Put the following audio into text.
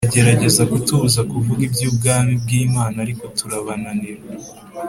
Bagerageza kutubuza kuvuga iby’ubwami bw’Imana ariko turabananira